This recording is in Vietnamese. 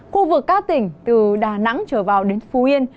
khu vực các tỉnh từ đà nẵng trở vào đến phú yên